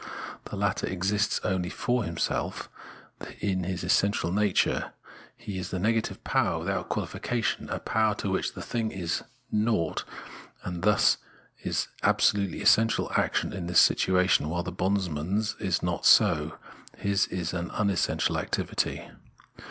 The latter exists only for himself, that is his essential nature ; he is the negative power without quahfication, a power to which the thing is naught, and his is thus the absolutely essential action in this situation, while the bondsman's is not so, his is an unessential activity.